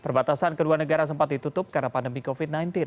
perbatasan kedua negara sempat ditutup karena pandemi covid sembilan belas